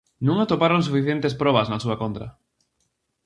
Non atoparon suficentes probas na súa contra.